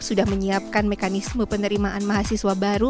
sudah menyiapkan mekanisme penerimaan mahasiswa baru